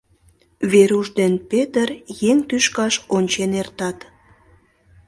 Веруш ден Петр еҥ тӱшкаш ончен эртат.